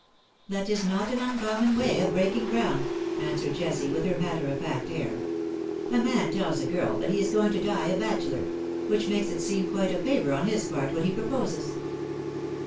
'' "That is not an uncommon way of breaking ground/' answered Jessie, with her matter of fact air. ^^ A man tells a girl that he is going to die a bachelor — which makes it seem quite a favour on his part when he proposes.